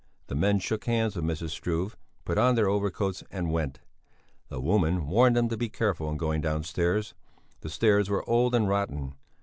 The men shook hands with Mrs. Struve, put on their overcoats and went; the woman warned them to be careful in going downstairs; the stairs were old and rotten.